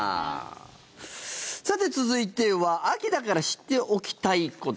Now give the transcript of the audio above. さて、続いては秋だから知っておきたいこと。